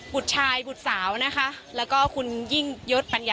คุณค่ะคุณค่ะ